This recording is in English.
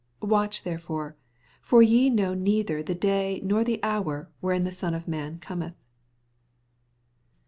18 Watch therefore, fbr ye know neither the day nor the hour wherein the Son of man cometh.